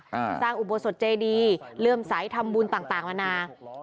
สร้างอุบัติสดเจดีเริ่มสายทำบุญต่างมานานา